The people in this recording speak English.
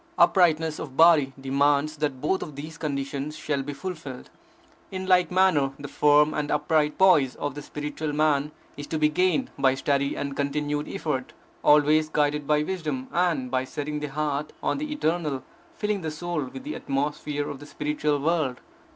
Uprightness of body demands that both these conditions shall be fulfilled. In like manner the firm and upright poise of the spiritual man is to be gained by steady and continued effort, always guided by wisdom, and by setting the heart on the Eternal, filling the soul with the atmosphere of the spiritual world.